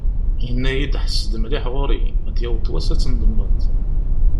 Yenna-iyi-d: « Ḥesses-d mliḥ ɣur-i, ad d-yaweḍ wass ad tendemmeḍ."